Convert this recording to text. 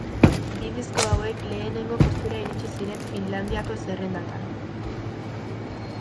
Bi disko hauek lehenengo postura iritsi ziren Finlandiako zerrendatan.